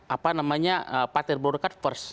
apa namanya partai golkar first